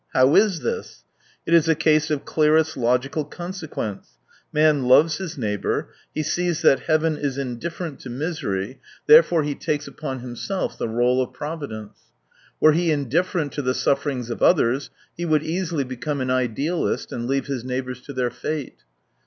How is this ? It is a case of clearest logical consequence : man loves his neighbour, he sees that heaven is indifferent to misery, therefore he takes upon 137 himself the r61e of Providence. Were he indifferent to the sufferings of others, he would easily become an idealist and leave his neighbours to their fate.